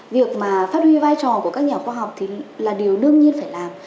việc mà phát huy vai trò của các nhà khoa học thì là điều đương nhiên phải làm